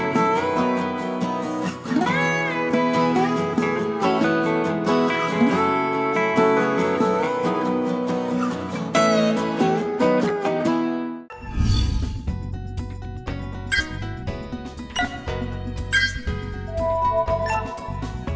hẹn gặp lại